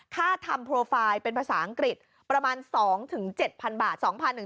ทำโปรไฟล์เป็นภาษาอังกฤษประมาณ๒๗๐๐บาท